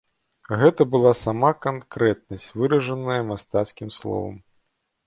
Гэта была сама канкрэтнасць, выражаная мастацкім словам.